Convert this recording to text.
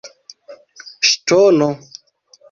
ŝtono